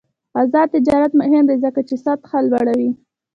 آزاد تجارت مهم دی ځکه چې سطح لوړوي.